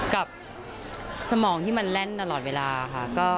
สมองที่มันแล่นตลอดเวลาค่ะ